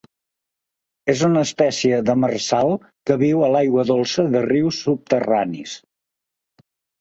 És una espècie demersal que viu a l'aigua dolça de rius subterranis.